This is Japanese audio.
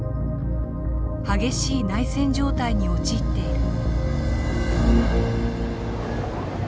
激しい内戦状態に陥っている。